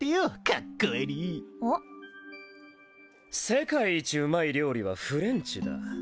世界一うまい料理はフレンチだ。